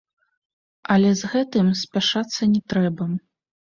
Але з гэтым спяшацца не трэба.